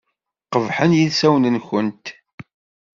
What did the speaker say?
Qebḥen yilsawen-nkent.